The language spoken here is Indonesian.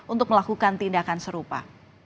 untuk melakukan tindakan serupa